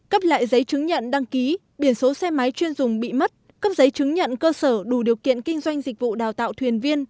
cấp lại giấy chứng nhận đăng ký biển số xe máy chuyên dùng bị mất cấp giấy chứng nhận cơ sở đủ điều kiện kinh doanh dịch vụ đào tạo thuyền viên